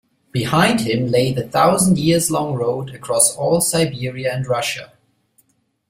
Behind him lay the thousand-years-long road across all Siberia and Russia.